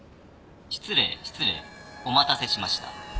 失礼失礼お待たせしました。